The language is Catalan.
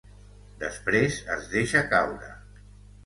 Després es deixa caure.